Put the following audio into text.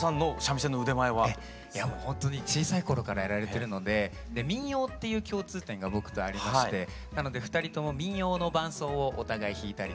いやもうほんとに小さい頃からやられてるのでで民謡っていう共通点が僕とありましてなので２人とも民謡の伴奏をお互い弾いたりとか。